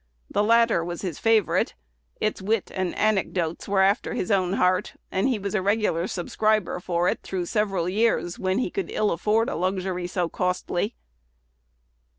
1 The latter was his favorite: its wit and anecdotes were after his own heart; and he was a regular subscriber for it through several years when he could ill afford a luxury so costly.